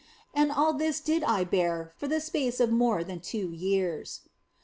And all this did I bear for the space of more than two years.